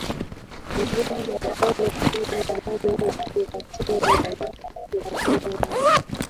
irini na tano kumi na nane na thelathini na mbili thelatini na nne